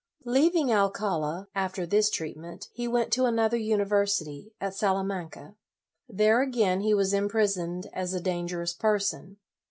Leaving Alcala, after this treatment, he went to another university, at Salamanca. There again he was imprisoned as a dan gerous person.